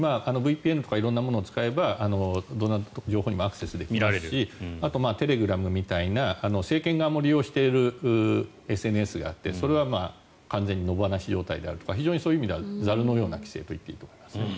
ＶＰＮとか色んなものを使えばどんなところにもアクセスできるしあと、テレグラムみたいな政権側も利用しているＳＮＳがあってそれは完全に野放し状態であるとか非常にそういう意味ではざるのような規制と言っていいと思いますね。